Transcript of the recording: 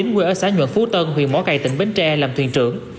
quê ở xã nhuận phú tân huyện mó cầy tỉnh bến tre làm thuyền trưởng